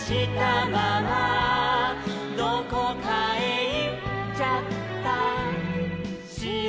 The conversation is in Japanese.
「どこかへいっちゃったしろ」